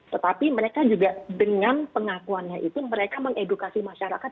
tetapi mereka juga dengan pengakuannya itu mereka mengedukasi masyarakat